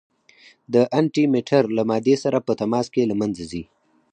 د انټي مټر له مادې سره په تماس کې له منځه ځي.